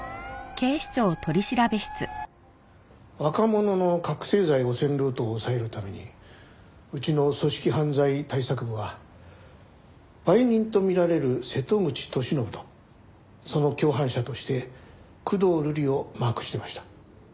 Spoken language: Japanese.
若者の覚醒剤汚染ルートを押さえるためにうちの組織犯罪対策部は売人とみられる瀬戸口俊信とその共犯者として工藤瑠李をマークしてました。